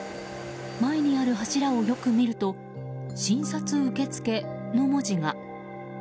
前にある柱をよく見ると診察受付の文字が。